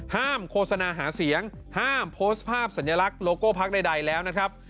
โฆษณาหาเสียงห้ามโพสต์ภาพสัญลักษณ์โลโก้พักใดแล้วนะครับ